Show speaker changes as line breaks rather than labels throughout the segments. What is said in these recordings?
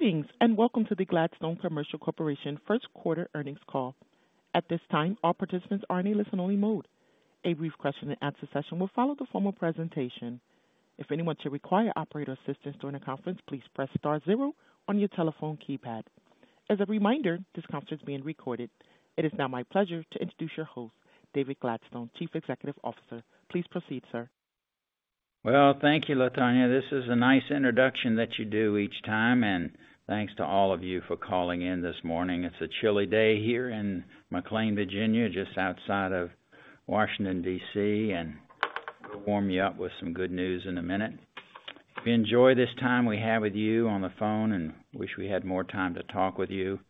Greetings, welcome to the Gladstone Commercial Corporation first quarter earnings call. At this time, all participants are in a listen-only mode. A brief question and answer session will follow the formal presentation. If anyone should require operator assistance during the conference, please press star zero on your telephone keypad. As a reminder, this conference is being recorded. It is now my pleasure to introduce your host, David Gladstone, Chief Executive Officer. Please proceed, sir.
Well, thank you, Latoya. This is a nice introduction that you do each time. Thanks to all of you for calling in this morning. It's a chilly day here in McLean, Virginia, just outside of Washington, D.C. We'll warm you up with some good news in a minute. We enjoy this time we have with you on the phone and wish we had more time to talk with you.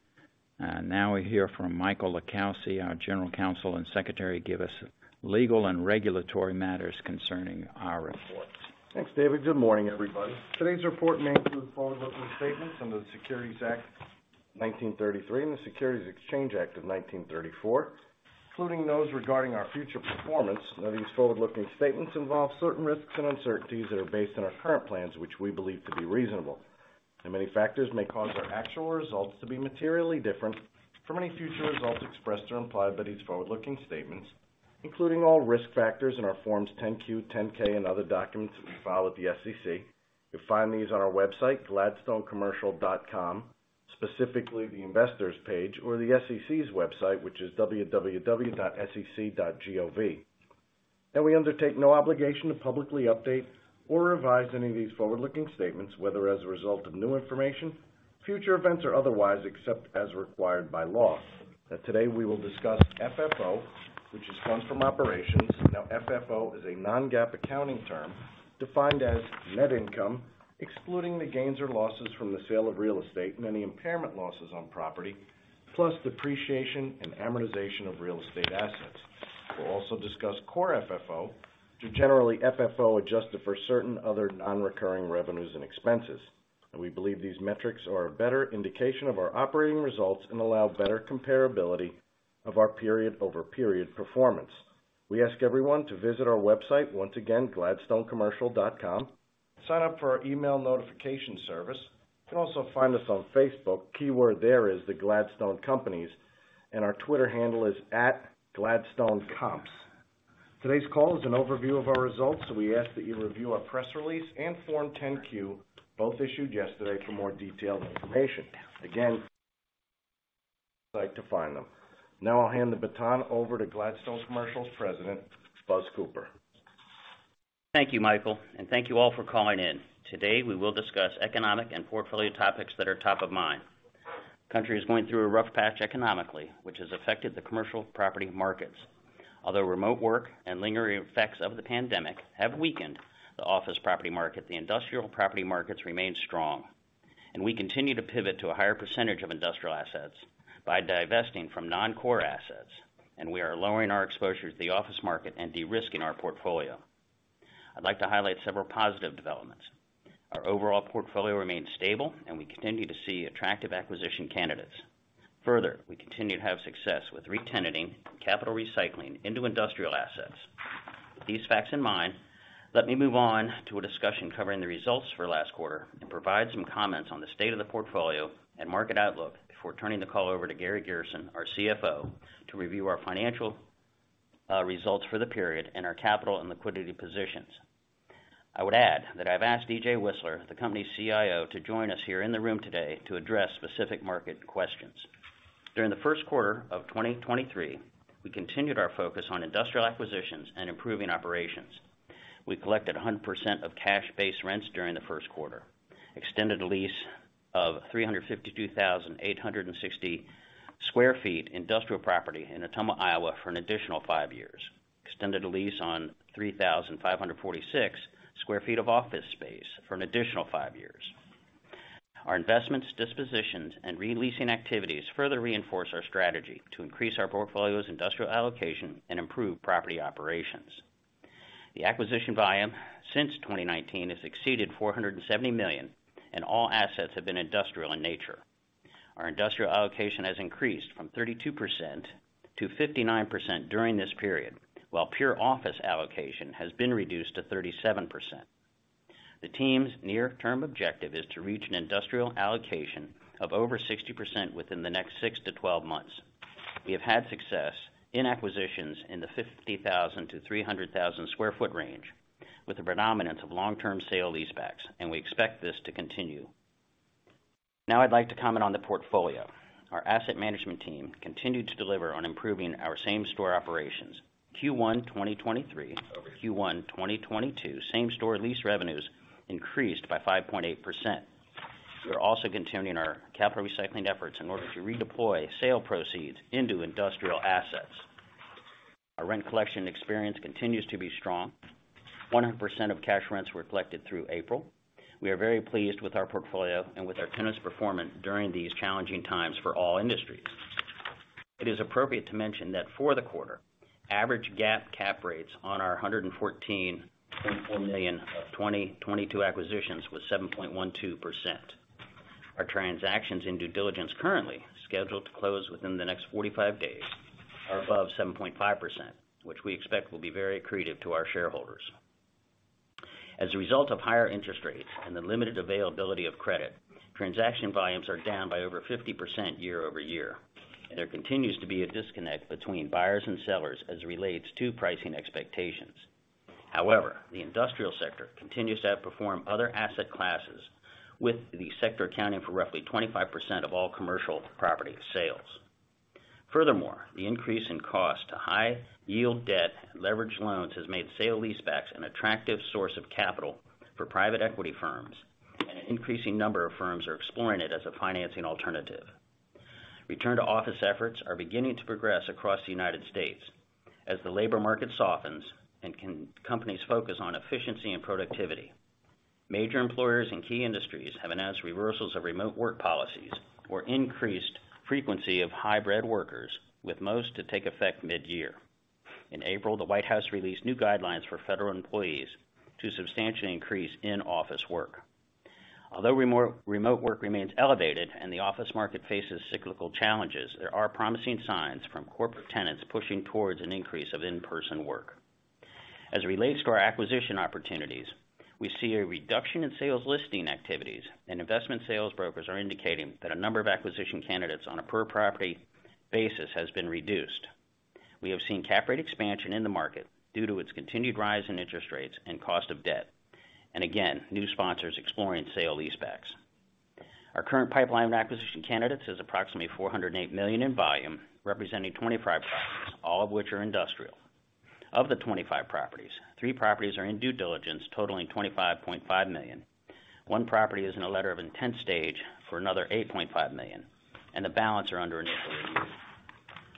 Now we hear from Michael LiPsky, our General Counsel and Secretary, give us legal and regulatory matters concerning our report.
Thanks, David. Good morning, everybody. Today's report may include forward-looking statements from the Securities Act 1933 and the Securities Exchange Act of 1934, including those regarding our future performance. Now, these forward-looking statements involve certain risks and uncertainties that are based on our current plans, which we believe to be reasonable, and many factors may cause our actual results to be materially different from any future results expressed or implied by these forward-looking statements, including all risk factors in our Forms 10-Q, 10-K and other documents that we file with the SEC. You'll find these on our website, gladstonecommercial.com, specifically the investors page or the SEC's website, which is www.sec.gov. We undertake no obligation to publicly update or revise any of these forward-looking statements, whether as a result of new information, future events, or otherwise, except as required by law. Today we will discuss FFO, which is funds from operations. FFO is a non-GAAP accounting term defined as net income, excluding the gains or losses from the sale of real estate and any impairment losses on property, plus depreciation and amortization of real estate assets. We'll also discuss Core FFO to generally FFO adjusted for certain other non-recurring revenues and expenses. We believe these metrics are a better indication of our operating results and allow better comparability of our period-over-period performance. We ask everyone to visit our website once again, gladstonecommercial.com, sign up for our email notification service. You can also find us on Facebook. Keyword there is The Gladstone Companies and our Twitter handle is @gladstonecomps. Today's call is an overview of our results, we ask that you review our press release and Form 10-Q, both issued yesterday for more detailed information. Like to find them. Now I'll hand the baton over to Gladstone Commercial's President, Buzz Cooper.
Thank you, Michael, and thank you all for calling in. Today, we will discuss economic and portfolio topics that are top of mind. Country is going through a rough patch economically, which has affected the commercial property markets. Although remote work and lingering effects of the pandemic have weakened the office property market, the industrial property markets remain strong, and we continue to pivot to a higher percentage of industrial assets by divesting from non-core assets, and we are lowering our exposure to the office market and de-risking our portfolio. I'd like to highlight several positive developments. Our overall portfolio remains stable and we continue to see attractive acquisition candidates. Further, we continue to have success with re-tenanting capital recycling into industrial assets. With these facts in mind, let me move on to a discussion covering the results for last quarter and provide some comments on the state of the portfolio and market outlook before turning the call over to Gary Garrison, our CFO, to review our financial results for the period and our capital and liquidity positions. I would add that I've asked E.J Wislar, the company's CIO, to join us here in the room today to address specific market questions. During the first quarter of 2023, we continued our focus on industrial acquisitions and improving operations. We collected 100% of cash base rents during the first quarter, extended a lease of 352,860 sq ft industrial property in Ottumwa, Iowa for an additional 5 years. Extended a lease on 3,546 sq ft of office space for an additional 5 years. Our investments, dispositions, and re-leasing activities further reinforce our strategy to increase our portfolio's industrial allocation and improve property operations. The acquisition volume since 2019 has exceeded $470 million, and all assets have been industrial in nature. Our industrial allocation has increased from 32%-59% during this period, while pure office allocation has been reduced to 37%. The team's near-term objective is to reach an industrial allocation of over 60% within the next 6-12 months. We have had success in acquisitions in the 50,000-300,000 sq ft range with a predominance of long-term sale-leasebacks, and we expect this to continue. Now I'd like to comment on the portfolio. Our asset management team continued to deliver on improving our same-store operations. Q1 2023 over Q1 2022, same-store lease revenues increased by 5.8%. We're also continuing our capital recycling efforts in order to redeploy sale proceeds into industrial assets. Our rent collection experience continues to be strong. 100% of cash rents were collected through April. We are very pleased with our portfolio and with our tenants' performance during these challenging times for all industries. It is appropriate to mention that for the quarter, average GAAP cap rates on our $114.4 million of 2022 acquisitions was 7.12%. Our transactions in due diligence currently scheduled to close within the next 45 days are above 7.5%, which we expect will be very accretive to our shareholders. As a result of higher interest rates and the limited availability of credit, transaction volumes are down by over 50% year-over-year. There continues to be a disconnect between buyers and sellers as it relates to pricing expectations. However, the industrial sector continues to outperform other asset classes, with the sector accounting for roughly 25% of all commercial property sales. Furthermore, the increase in cost to high yield debt and leverage loans has made sale-leasebacks an attractive source of capital for private equity firms, and an increasing number of firms are exploring it as a financing alternative. Return to office efforts are beginning to progress across the United States as the labor market softens and companies focus on efficiency and productivity. Major employers in key industries have announced reversals of remote work policies or increased frequency of hybrid workers, with most to take effect mid-year. In April, the White House released new guidelines for federal employees to substantially increase in-office work. Although remote work remains elevated and the office market faces cyclical challenges, there are promising signs from corporate tenants pushing towards an increase of in-person work. As it relates to our acquisition opportunities, we see a reduction in sales listing activities and investment sales brokers are indicating that a number of acquisition candidates on a per property basis has been reduced. We have seen cap rate expansion in the market due to its continued rise in interest rates and cost of debt. Again, new sponsors exploring sale-leasebacks. Our current pipeline of acquisition candidates is approximately $408 million in volume, representing 25 properties, all of which are industrial. Of the 25 properties, three properties are in due diligence, totaling $25.5 million. one property is in a letter of intent stage for another $8.5 million, the balance are under initial review.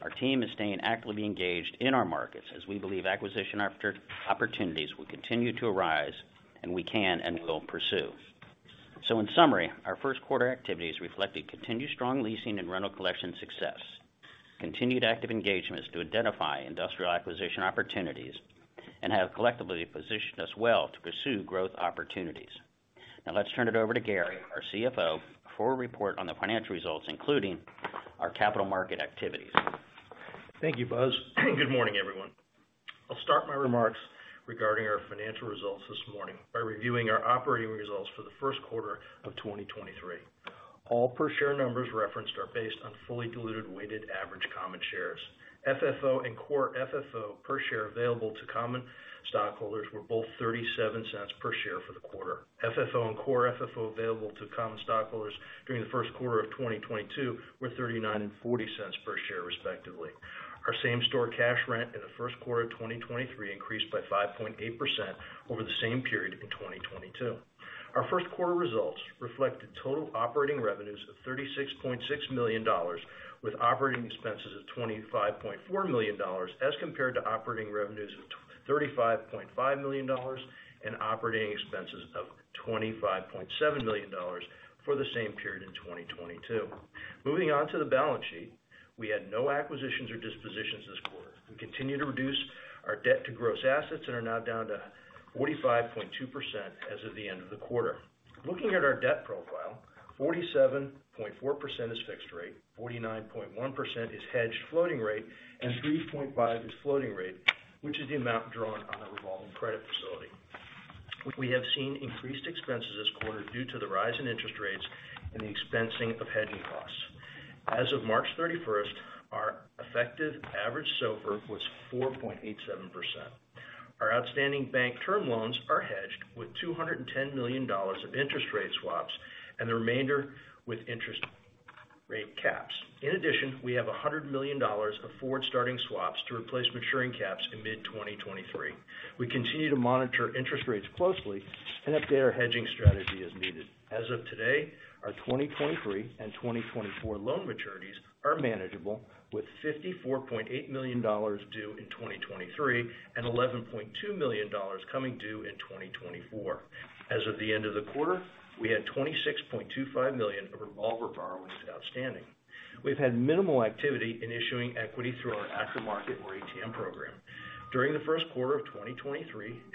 Our team is staying actively engaged in our markets as we believe acquisition opportunities will continue to arise, we can and will pursue. In summary, our first quarter activities reflected continued strong leasing and rental collection success, continued active engagements to identify industrial acquisition opportunities, have collectively positioned us well to pursue growth opportunities. Let's turn it over to Gary, our CFO, for a report on the financial results, including our capital market activities.
Thank you, Buzz Cooper. Good morning, everyone. I'll start my remarks regarding our financial results this morning by reviewing our operating results for the first quarter of 2023. All per share numbers referenced are based on fully diluted weighted average common shares. FFO and Core FFO per share available to common stockholders were both $0.37 per share for the quarter. FFO and Core FFO available to common stockholders during the first quarter of 2022 were $0.39 and $0.40 per share, respectively. Our same store cash rent in the first quarter of 2023 increased by 5.8% over the same period in 2022. Our first quarter results reflected total operating revenues of $36.6 million with operating expenses of $25.4 million as compared to operating revenues of $35.5 million and operating expenses of $25.7 million for the same period in 2022. Moving on to the balance sheet. We had no acquisitions or dispositions this quarter. We continue to reduce our debt to gross assets and are now down to 45.2% as of the end of the quarter. Looking at our debt profile, 47.4% is fixed rate, 49.1% is hedged floating rate, and 3.5% is floating rate, which is the amount drawn on our revolving credit facility. We have seen increased expenses this quarter due to the rise in interest rates and the expensing of hedging costs. As of March 31st, our effective average SOFR was 4.87%. Our outstanding bank term loans are hedged with $210 million of interest rate swaps and the remainder with interest rate caps. In addition, we have $100 million of forward starting swaps to replace maturing caps in mid-2023. We continue to monitor interest rates closely and update our hedging strategy as needed. As of today, our 2023 and 2024 loan maturities are manageable, with $54.8 million due in 2023 and $11.2 million coming due in 2024. As of the end of the quarter, we had $26.25 million of revolver borrowings outstanding. We've had minimal activity in issuing equity through our active market or ATM program. During the first quarter of 2023,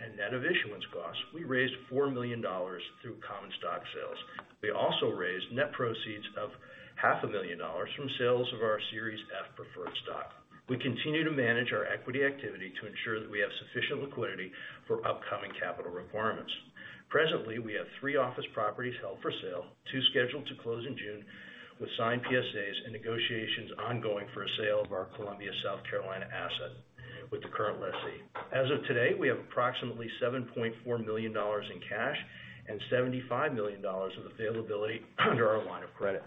and net of issuance costs, we raised $4 million through common stock sales. We also raised net proceeds of half a million dollars from sales of our Series F preferred stock. We continue to manage our equity activity to ensure that we have sufficient liquidity for upcoming capital requirements. Presently, we have three office properties held for sale, two scheduled to close in June with signed PSAs and negotiations ongoing for a sale of our Columbia, South Carolina asset with the current lessee. As of today, we have approximately $7.4 million in cash and $75 million of availability under our line of credit.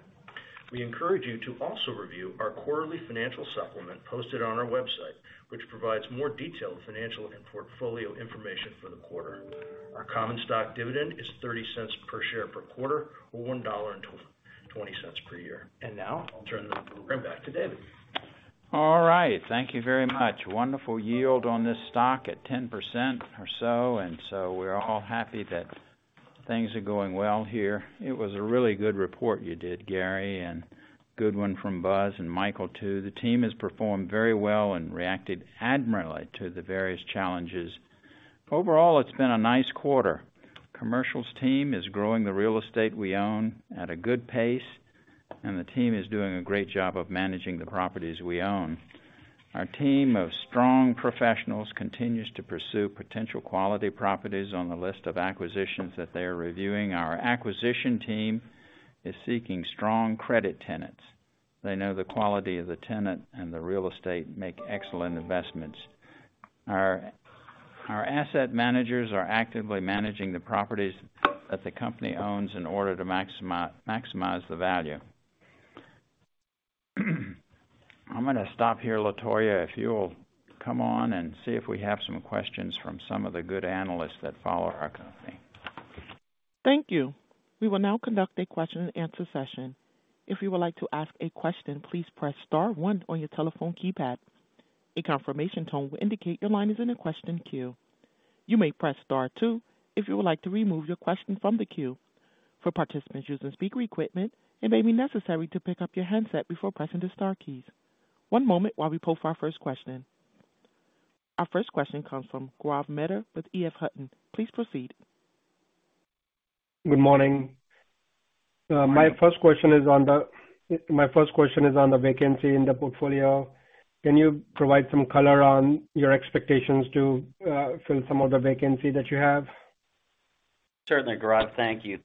We encourage you to also review our quarterly financial supplement posted on our website, which provides more detailed financial and portfolio information for the quarter. Our common stock dividend is $0.30 per share per quarter, or $1.20 per year. Now I'll turn the program back to David.
All right. Thank you very much. Wonderful yield on this stock at 10% or so, and so we're all happy that things are going well here. It was a really good report you did, Gary, and good one from Buzz and Michael too. The team has performed very well and reacted admirably to the various challenges. Overall, it's been a nice quarter. Commercial's team is growing the real estate we own at a good pace. The team is doing a great job of managing the properties we own. Our team of strong professionals continues to pursue potential quality properties on the list of acquisitions that they are reviewing. Our acquisition team is seeking strong credit tenants. They know the quality of the tenant and the real estate make excellent investments. Our asset managers are actively managing the properties that the company owns in order to maximize the value. I'm gonna stop here. Latoya, if you'll come on and see if we have some questions from some of the good analysts that follow our company.
Thank you. We will now conduct a question and answer session. If you would like to ask a question, please press star one on your telephone keypad. A confirmation tone will indicate your line is in a question queue. You may press star two if you would like to remove your question from the queue. For participants using speaker equipment, it may be necessary to pick up your handset before pressing the star keys. One moment while we pull for our first question. Our first question comes from Gaurav Mehta with EF Hutton. Please proceed.
Good morning. My first question is on the vacancy in the portfolio. Can you provide some color on your expectations to fill some of the vacancy that you have?
Certainly, Gaurav. Thank you.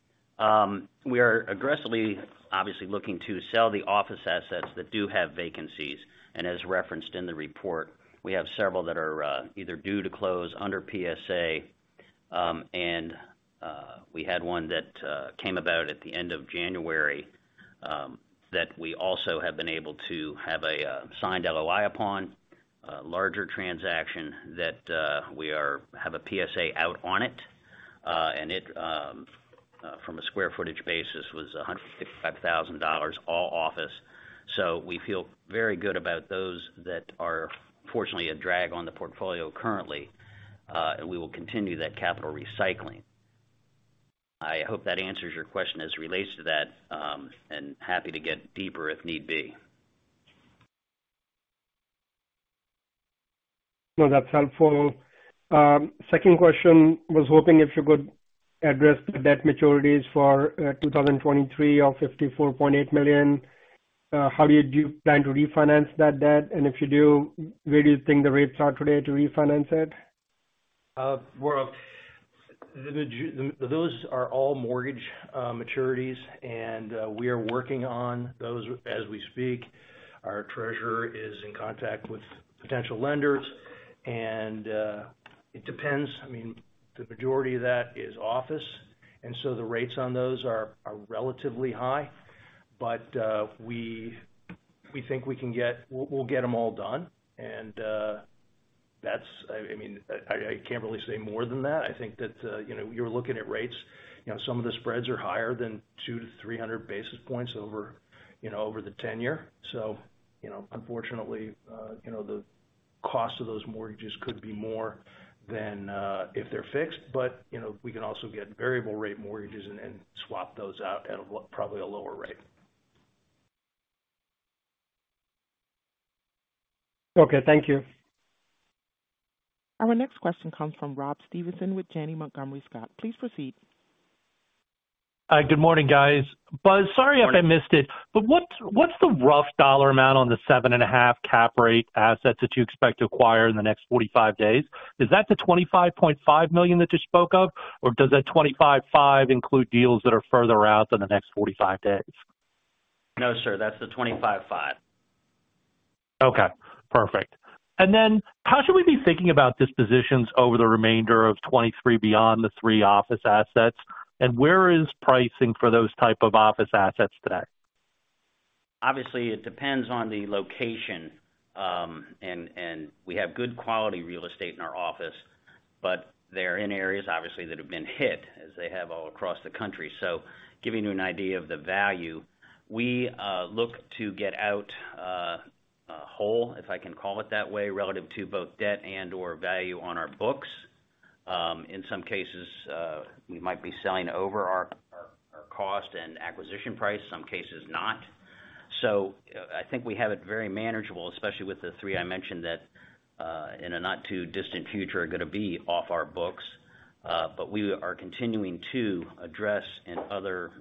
We are aggressively, obviously, looking to sell the office assets that do have vacancies. As referenced in the report, we have several that are either due to close under PSA, and we had one that came about at the end of January that we also have been able to have a signed LOI upon. A larger transaction that we have a PSA out on it, and it from a square footage basis was $155,000, all office. We feel very good about those that are fortunately a drag on the portfolio currently, and we will continue that capital recycling. I hope that answers your question as it relates to that, and happy to get deeper if need be.
No, that's helpful. second question, was hoping if you could address the debt maturities for 2023 of $54.8 million. How do you plan to refinance that debt? If you do, where do you think the rates are today to refinance it?
Well, those are all mortgage maturities. We are working on those as we speak. Our treasurer is in contact with potential lenders. It depends. I mean, the majority of that is office, and so the rates on those are relatively high. We think we'll get them all done. That's. I mean, I can't really say more than that. I think that, you know, you're looking at rates, you know, some of the spreads are higher than 200-300 basis points over, you know, over the tenure. Unfortunately, you know, the cost of those mortgages could be more than if they're fixed. you know, we can also get variable rate mortgages and swap those out at probably a lower rate.
Okay, thank you.
Our next question comes from Rob Stevenson with Janney Montgomery Scott. Please proceed.
Good morning, guys. Buzz, sorry if I missed it, what's the rough dollar amount on the seven and a half cap rate assets that you expect to acquire in the next 45 days? Is that the $25.5 million that you spoke of, or does that $25.5 include deals that are further out than the next 45 days?
No, sir, that's the 25.5.
Okay, perfect. Then how should we be thinking about dispositions over the remainder of 23 beyond the three office assets? Where is pricing for those type of office assets today?
Obviously, it depends on the location, and we have good quality real estate in our office, but they're in areas obviously that have been hit as they have all across the country. Giving you an idea of the value, we look to get out whole, if I can call it that way, relative to both debt and/or value on our books. In some cases, we might be selling over our cost and acquisition price, some cases not. I think we have it very manageable, especially with the three I mentioned that in a not too distant future are gonna be off our books. We are continuing to address in other,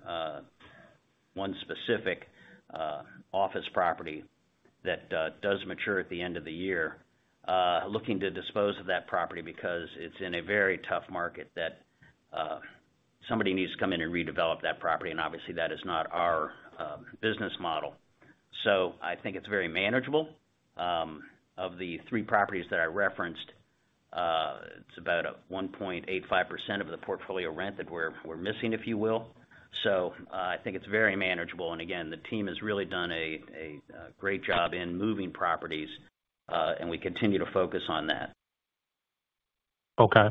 one specific, office property that does mature at the end of the year. Looking to dispose of that property because it's in a very tough market that somebody needs to come in and redevelop that property, and obviously, that is not our business model. I think it's very manageable. Of the three properties that I referenced, it's about 1.85% of the portfolio rent that we're missing, if you will. I think it's very manageable. Again, the team has really done a great job in moving properties, and we continue to focus on that.
Okay.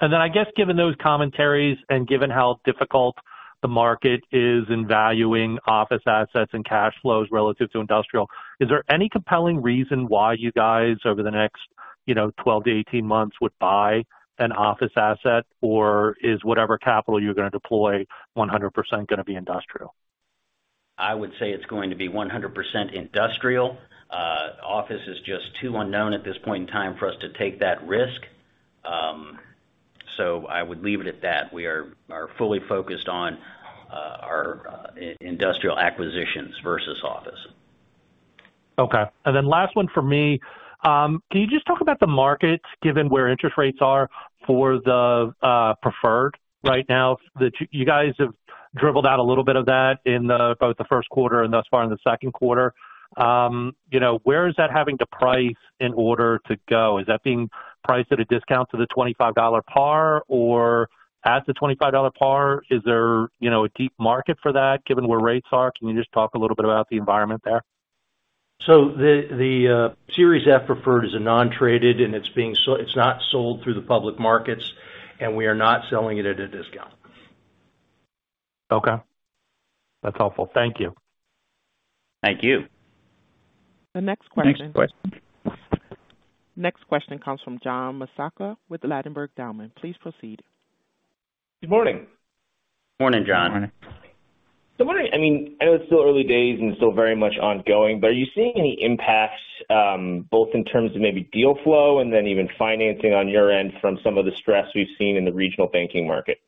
Then I guess given those commentaries and given how difficult the market is in valuing office assets and cash flows relative to industrial, is there any compelling reason why you guys over the next, you know, 12 to 18 months would buy an office asset? Or is whatever capital you're gonna deploy 100% gonna be industrial?
I would say it's going to be 100% industrial. Office is just too unknown at this point in time for us to take that risk. I would leave it at that. We are fully focused on, our, industrial acquisitions versus office.
Okay. Last one for me. Can you just talk about the markets, given where interest rates are for the preferred right now? That you guys have dribbled out a little bit of that in both the first quarter and thus far in the second quarter. You know, where is that having to price in order to go? Is that being priced at a discount to the $25 par or at the $25 par? Is there, you know, a deep market for that, given where rates are? Can you just talk a little bit about the environment there?
The series F preferred is a non-traded, and it's not sold through the public markets, and we are not selling it at a discount.
Okay. That's helpful. Thank you.
Thank you.
The next question-
Next.
Next question comes from John Massocca with Ladenburg Thalmann. Please proceed.
Good morning.
Morning, John.
Morning.
Morning. I mean, I know it's still early days and still very much ongoing, but are you seeing any impacts, both in terms of maybe deal flow and then even financing on your end from some of the stress we've seen in the regional banking market?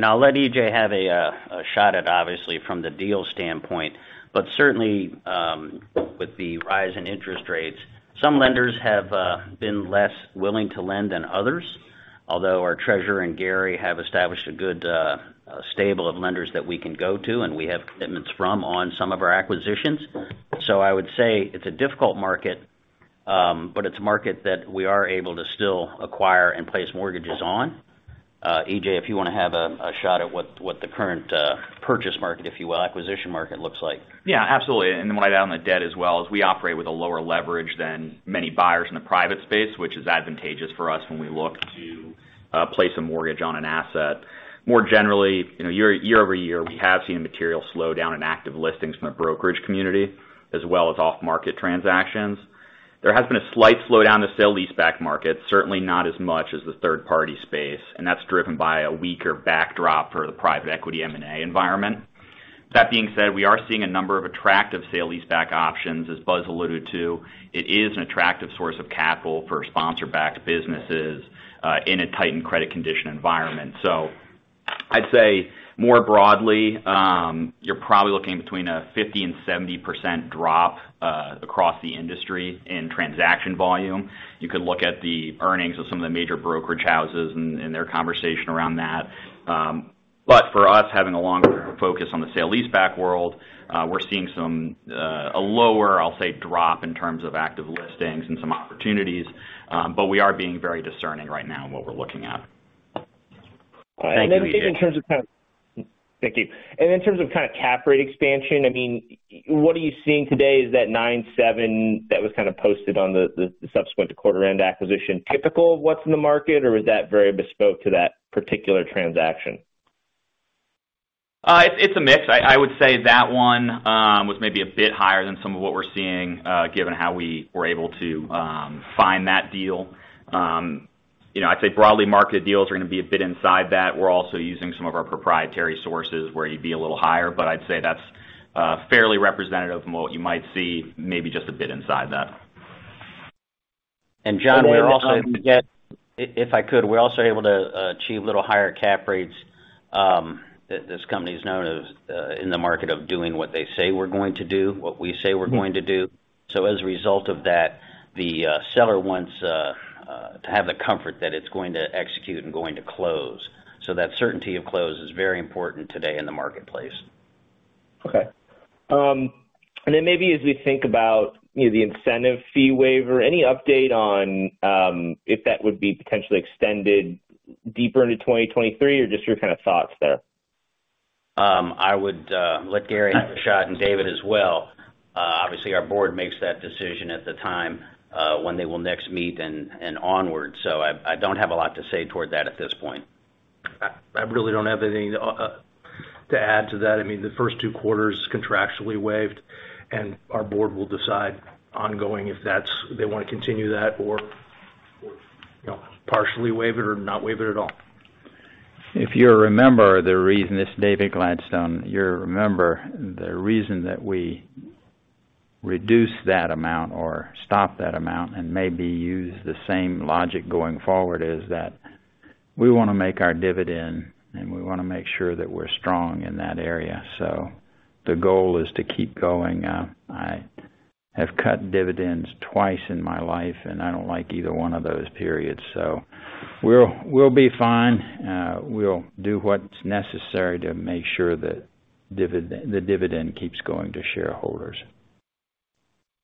I'll let E.J have a shot at obviously from the deal standpoint, but certainly, with the rise in interest rates, some lenders have been less willing to lend than others. Although our treasurer and Gary have established a good stable of lenders that we can go to, and we have commitments from on some of our acquisitions. I would say it's a difficult market, but it's a market that we are able to still acquire and place mortgages on. E.J, if you wanna have a shot at what the current purchase market, if you will, acquisition market looks like.
Yeah, absolutely. When I add on the debt as well is we operate with a lower leverage than many buyers in the private space, which is advantageous for us when we look to place a mortgage on an asset. More generally, you know, year-over-year, we have seen a material slowdown in active listings from the brokerage community as well as off-market transactions. There has been a slight slowdown to sale-leaseback market, certainly not as much as the third-party space, and that's driven by a weaker backdrop for the private equity M&A environment. That being said, we are seeing a number of attractive sale-leaseback options. As Buzz alluded to, it is an attractive source of capital for sponsor backed businesses in a tightened credit condition environment. I'd say more broadly, you're probably looking between a 50%-70% drop across the industry in transaction volume. You could look at the earnings of some of the major brokerage houses and their conversation around that. For us, having a longer focus on the sale-leaseback world, we're seeing some a lower, I'll say, drop in terms of active listings and some opportunities. We are being very discerning right now in what we're looking at.
Thank you, E.J.
Thank you. In terms of kind of cap rate expansion, I mean, what are you seeing today? Is that 9.7 that was kind of posted on the subsequent to quarter end acquisition typical of what's in the market? Or was that very bespoke to that particular transaction?
It's a mix. I would say that one was maybe a bit higher than some of what we're seeing, given how we were able to find that deal. You know, I'd say broadly, market deals are gonna be a bit inside that. We're also using some of our proprietary sources where you'd be a little higher, but I'd say that's fairly representative from what you might see, maybe just a bit inside that.
John, we're also able to achieve little higher cap rates, that this company is known as, in the market of doing what they say we're going to do, what we say we're going to do. As a result of that, the seller wants to have the comfort that it's going to execute and going to close. That certainty of close is very important today in the marketplace.
Okay. Maybe as we think about, you know, the incentive fee waiver, any update on, if that would be potentially extended deeper into 2023 or just your kind of thoughts there?
I would let Gary have a shot and David as well. Obviously, our board makes that decision at the time when they will next meet and onwards. I don't have a lot to say toward that at this point.
I really don't have anything to add to that. I mean, the first two quarters contractually waived, our board will decide ongoing if they wanna continue that or, you know, partially waive it or not waive it at all.
If you remember the reason. This is David Gladstone. You remember the reason that we reduce that amount or stop that amount and maybe use the same logic going forward, is that we wanna make our dividend, and we wanna make sure that we're strong in that area. The goal is to keep going. I have cut dividends twice in my life, and I don't like either one of those periods, so we'll be fine. We'll do what's necessary to make sure the dividend keeps going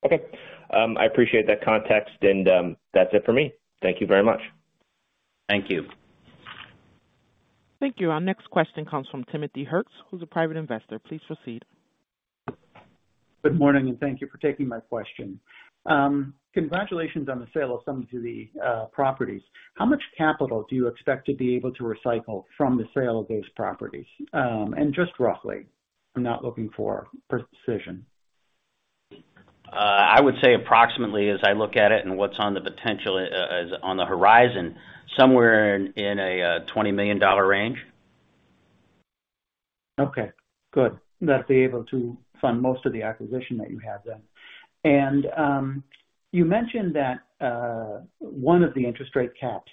to shareholders.
Okay. I appreciate that context and, that's it for me. Thank you very much.
Thank you.
Thank you. Our next question comes from Timothy Hertz, who's a private investor. Please proceed.
Good morning. Thank you for taking my question. Congratulations on the sale of some of the properties. How much capital do you expect to be able to recycle from the sale of these properties? Just roughly. I'm not looking for precision.
I would say approximately as I look at it and what's on the potential, as on the horizon, somewhere in a $20 million range.
Okay, good. That they're able to fund most of the acquisition that you have then. You mentioned that one of the interest rate caps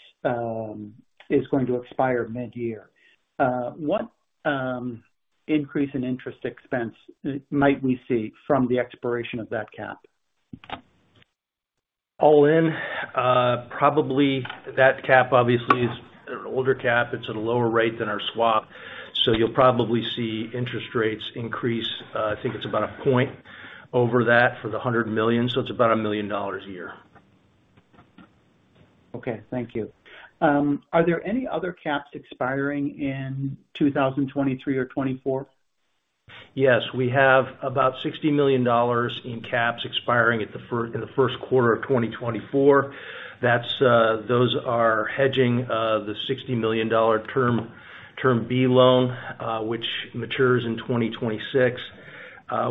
is going to expire mid-year. What increase in interest expense might we see from the expiration of that cap?
All in, probably that cap obviously is an older cap. It's at a lower rate than our swap. You'll probably see interest rates increase, I think it's about a point over that for the $100 million. It's about $1 million a year.
Okay, thank you. Are there any other caps expiring in 2023 or 2024?
Yes. We have about $60 million in caps expiring in the first quarter of 2024. That's, those are hedging the $60 million Term B loan, which matures in 2026.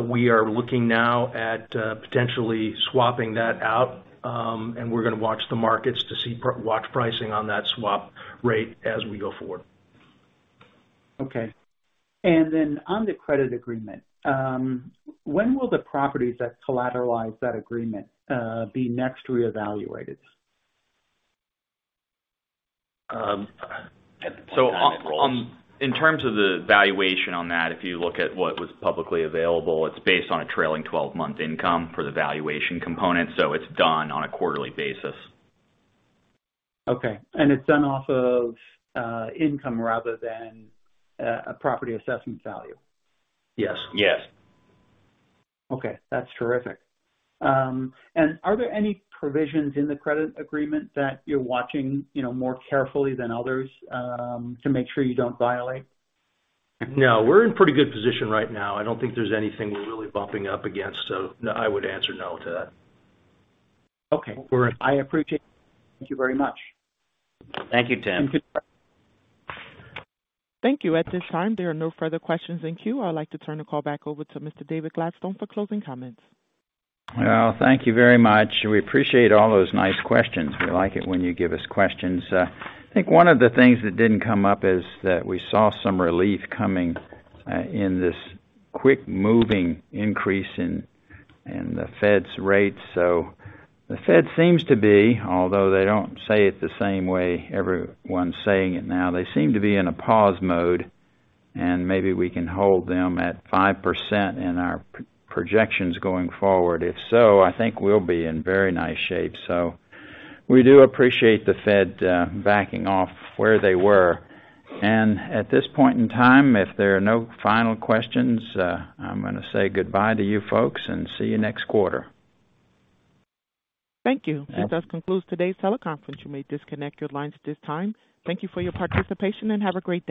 We are looking now at potentially swapping that out. We're gonna watch the markets to see watch pricing on that swap rate as we go forward.
Okay. On the credit agreement, when will the properties that collateralize that agreement be next reevaluated?
On, in terms of the valuation on that, if you look at what was publicly available, it's based on a trailing 12-month income for the valuation component, so it's done on a quarterly basis.
Okay. It's done off of, income rather than, a property assessment value?
Yes.
Yes.
Okay. That's terrific. Are there any provisions in the credit agreement that you're watching, you know, more carefully than others, to make sure you don't violate?
No. We're in pretty good position right now. I don't think there's anything we're really bumping up against. I would answer no to that.
Okay. I appreciate it. Thank you very much.
Thank you, Tim.
Thank you.
Thank you. At this time, there are no further questions in queue. I'd like to turn the call back over to Mr. David Gladstone for closing comments.
Well, thank you very much. We appreciate all those nice questions. We like it when you give us questions. I think one of the things that didn't come up is that we saw some relief coming in this quick moving increase in the Fed's rates. The Fed seems to be, although they don't say it the same way everyone's saying it now, they seem to be in a pause mode, and maybe we can hold them at 5% in our projections going forward. If so, I think we'll be in very nice shape. We do appreciate the Fed backing off where they were. At this point in time, if there are no final questions, I'm gonna say goodbye to you folks and see you next quarter.
Thank you. This does conclude today's teleconference. You may disconnect your lines at this time. Thank you for your participation and have a great day.